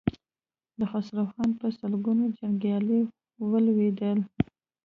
د خسرو خان په سلګونو جنګيالي ولوېدل.